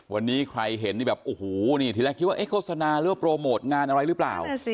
วันนี้ใครเห็นนี่แบบโอ้โหนี่ทีแรกคิดว่าโฆษณาหรือว่าโปรโมทงานอะไรหรือเปล่า